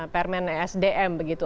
permen esdm begitu